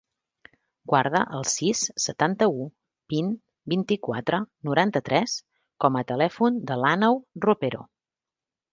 Guarda el sis, setanta-u, vint, vint-i-quatre, noranta-tres com a telèfon de l'Àneu Ropero.